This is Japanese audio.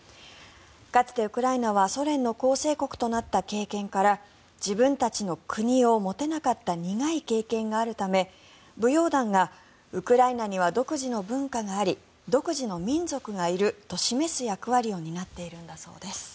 かつて、ウクライナはソ連の構成国となった経験から自分たちの国を持てなかった苦い経験があるため舞踊団がウクライナには独自の文化があり独自の民族がいると示す役割を担っているんだそうです。